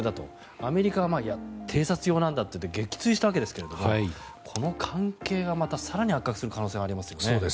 アメリカは偵察用なんだと撃墜したわけですがこの関係が、また更に悪化する可能性がありますよね。